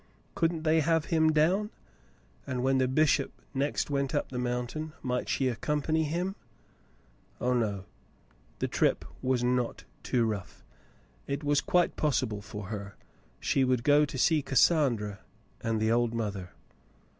Couldn't they have him down ? And when the bishop next went up the mountain, might she accompany him ? Oh, no. The trip was not too rough. It was quite possible for her. She would go to see Cassandra and the old mother.